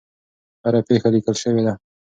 هره پېښه لیکل شوې ده.